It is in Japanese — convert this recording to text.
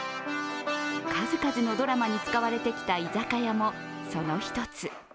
数々のドラマに使われてきた居酒屋もその一つ。